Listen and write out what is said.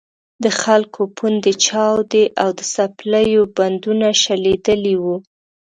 د خلکو پوندې چاودې او د څپلیو بندونه شلېدلي وو.